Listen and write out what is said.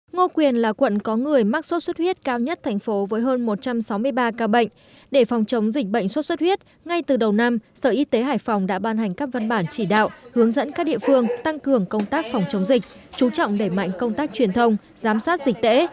ngô quyền là quận có người mắc sốt xuất huyết cao nhất thành phố với hơn một trăm sáu mươi ba ca bệnh để phòng chống dịch bệnh sốt xuất huyết ngay từ đầu năm sở y tế hải phòng đã ban hành các văn bản chỉ đạo hướng dẫn các địa phương tăng cường công tác phòng chống dịch chú trọng đẩy mạnh công tác truyền thông giám sát dịch tễ